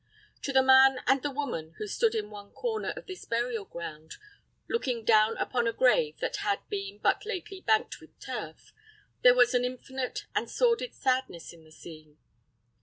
To the man and the woman who stood in one corner of this burial ground, looking down upon a grave that had been but lately banked with turf, there was an infinite and sordid sadness in the scene.